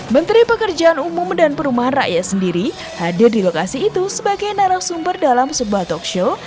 menteri pekerjaan umum dan perumahan rakyat sendiri hadir di lokasi itu sebagai narasumber dalam sebuah talk show